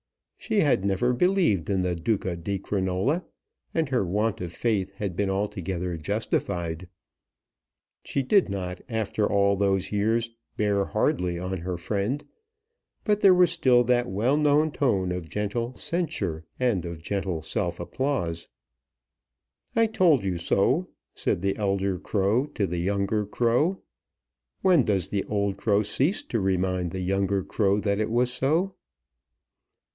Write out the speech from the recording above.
She had never believed in the Duca di Crinola, and her want of faith had been altogether justified. She did not, after all those years, bear hardly on her friend, but there was still that well known tone of gentle censure and of gentle self applause. "I told you so," said the elder crow to the younger crow. When does the old crow cease to remind the younger crow that it was so?